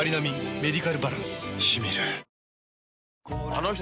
あの人